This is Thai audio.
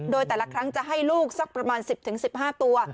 โดยแต่ละครั้งจะให้ลูกสักประมาณ๑๐๑๕ตัว